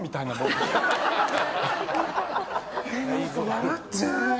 笑っちゃう。